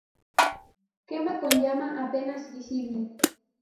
Quema con llama apenas visible.